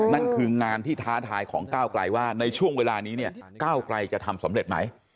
นั่นคืองานที่ท้าทายของก้าวไกลว่าในช่วงเวลานี้เนี่ยก้าวไกลจะทำสำเร็จไหม